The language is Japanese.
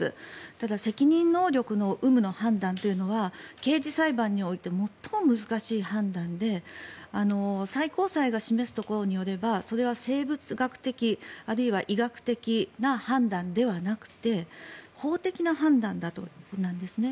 ただ、責任能力の有無の判断というのは刑事裁判において最も難しい判断で最高裁が示すところによればそれは生物学的あるいは医学的な判断ではなくて法的な判断だということなんですね。